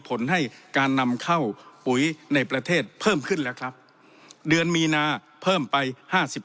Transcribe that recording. ผลให้การนำเข้าปุ๋ยในประเทศเพิ่มขึ้นแล้วครับเดือนมีนาเพิ่มไปห้าสิบ